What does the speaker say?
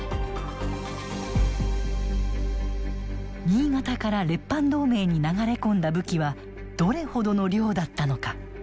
新潟から列藩同盟に流れ込んだ武器はどれほどの量だったのか。